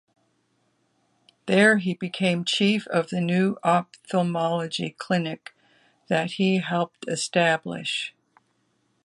There he became chief of the new ophthalmology clinic that he helped establish.